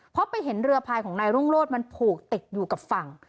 เพราะไปเห็นเรือพายของนายรุ่งโรธมันผูกติดอยู่กับฝั่ง